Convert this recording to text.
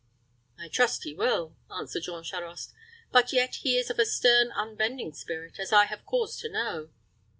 "I trust he will," answered Jean Charost; "but yet he is of a stern, unbending spirit, as I have cause to know."